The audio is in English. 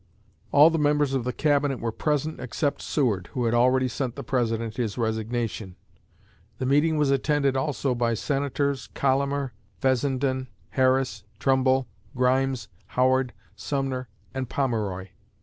All the members of the Cabinet were present except Seward, who had already sent the President his resignation. The meeting was attended also by Senators Collamer, Fessenden, Harris, Trumbull, Grimes, Howard, Sumner, and Pomeroy.